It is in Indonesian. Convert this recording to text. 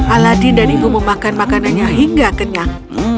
aladin dan ibu memakan makanannya hingga kenyang